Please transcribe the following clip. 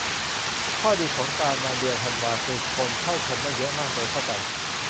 ข้อดีของการมาเดือนธันวาคือ คนเข้าชมไม่เยอะมาก เดินเข้าไป